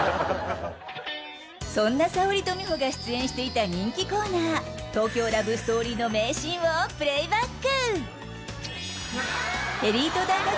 そんなサオリとミホが出演していた人気コーナー「東京ラブストーリー」の名シーンをプレーバック。